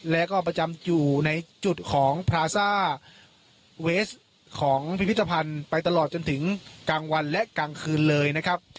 แล้วก็ประจำอยู่ในจุดของพราซ่าเวสของพิพิธภัณฑ์ไปตลอดจนถึงกลางวันและกลางคืนเลยนะครับ